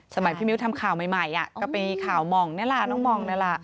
สมัยพี่มิวทำข่าวใหม่อ่ะก็เป็นข่าวหมองนั่นล่ะน้องหมองนั่นล่ะ